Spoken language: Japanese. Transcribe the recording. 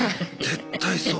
絶対そう。